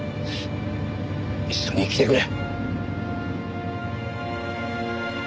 一緒に生きてくれ。